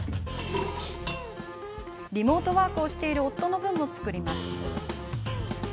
リモートワークをしている夫の分も作ります。